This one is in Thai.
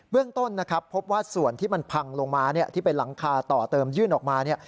เรื่องต้นนะครับพบว่าส่วนที่มันพังลงมาที่เป็นหลังคาต่อเติมยื่นออกมาเนี่ย